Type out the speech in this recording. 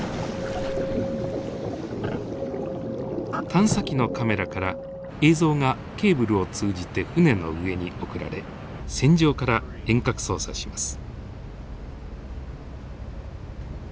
探査機のカメラから映像がケーブルを通じて船の上に送られ船上から遠隔操作します。